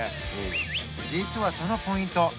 実はそのポイント